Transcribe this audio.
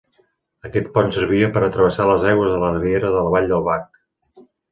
Aquest pont servia per travessar les aigües de la riera de la Vall del Bac.